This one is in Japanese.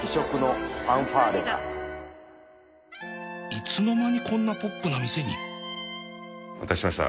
いつの間にこんなポップな店にお待たせしました。